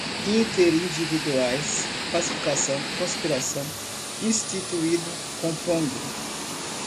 interindividuais, pacificação, conspiração, instituído, compondo